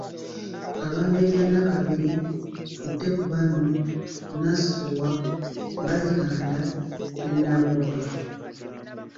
Abambejja Nnakabiri Tuttekubano, Nassuwa, Balikanda ne Nnalwoga.